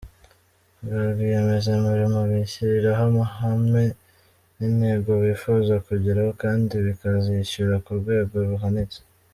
Ba rwiyemezamirimo bishyiriraho amahame n’intego bifuza kugeraho kandi bakazishyira ku rwego ruhanitse.